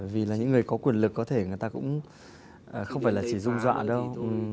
vì là những người có quyền lực có thể người ta cũng không phải là chỉ ru dọa đâu